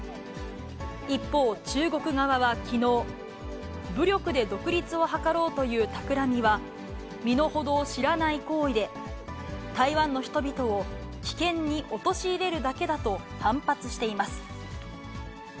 一方、中国側はきのう、武力で独立を図ろうというたくらみは、身の程を知らない行為で、台湾の人々を危険に陥れるだけだと反発しています。